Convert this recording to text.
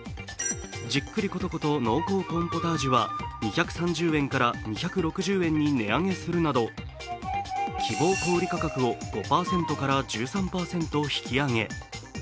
じっくりコトコト濃厚コーンポタージュは２３０円から２６０円に値上げするなど希望小売価格を５％から１３％引き上げ。